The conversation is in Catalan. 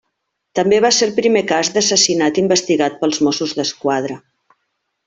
També va ser el primer cas d'assassinat investigat pels Mossos d'Esquadra.